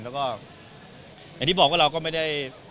แล้วก็อย่างที่บอกว่าเราก็ไม่ได้